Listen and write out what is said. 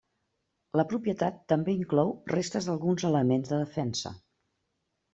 La propietat també inclou restes d'alguns elements de defensa.